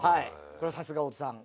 これさすが太田さん。